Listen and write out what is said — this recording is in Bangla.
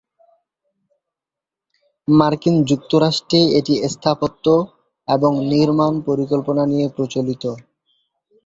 মার্কিন যুক্তরাষ্ট্রে এটি স্থাপত্য এবং নির্মাণ পরিকল্পনা নিয়ে প্রচলিত।